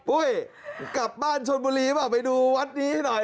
อุ๊ยกลับบ้านชนบุรีมาไปดูวัดนี้หน่อย